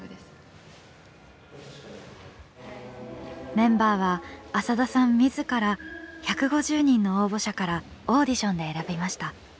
メンバーは浅田さんみずから１５０人の応募者からオーディションで選びました。